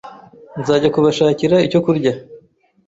Nzajya kubashakira icyo kurya.